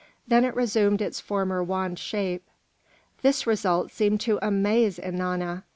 Then it resumed its former wand shape. This result seemed to amaze Ennana.